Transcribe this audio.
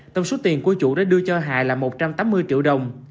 tổng số tiền của chủ đã đưa cho hà là một trăm tám mươi triệu đồng